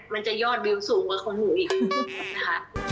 มันจะยอดวิวสูงกว่าของหนูอีกนะคะ